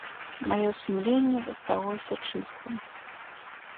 Маё сумленне засталося чыстым.